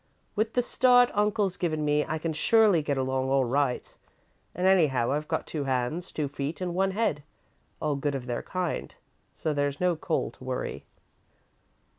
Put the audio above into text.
With the start uncle's given me, I can surely get along all right, and, anyhow, I've got two hands, two feet, and one head, all good of their kind, so there's no call to worry."